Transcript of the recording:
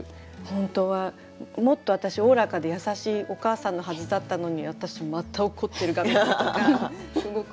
本当はもっと私おおらかで優しいお母さんのはずだったのに私また怒ってるガミガミとかすごく分かります。